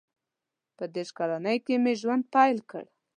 • په دېرش کلنۍ کې مې ژوند پیل کړ.